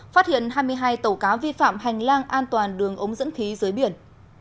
phát hiện hai mươi hai tàu cá vi phạm hành lang an toàn đường ống dẫn khí dưới biển